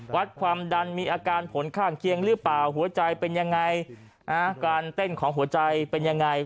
วัดความดันมีอาการผลข้างเคียงหรือเปล่าหัวใจเป็นยังไงการเต้นของหัวใจเป็นยังไง